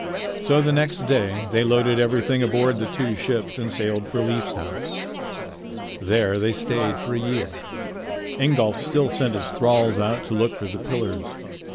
So the next day they loaded everything aboard the two ships and sailed for Leif's house. There they stayed for a year. Ingolf still sent his thralls out to look for the pillars.